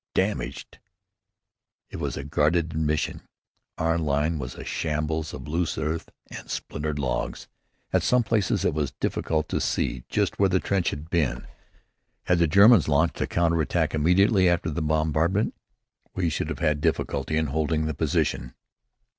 "Damaged!" It was a guarded admission. Our line was a shambles of loose earth and splintered logs. At some places it was difficult to see just where the trench had been. Had the Germans launched a counter attack immediately after the bombardment, we should have had difficulty in holding the position.